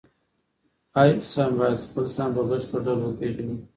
هر انسان باید خپل ځان په بشپړ ډول وپیژني.